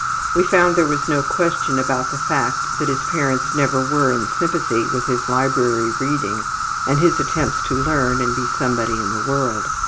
We found there was no question about the fact that his parents never were in sympathy with his library reading and his attempts to learn and be somebody in the world.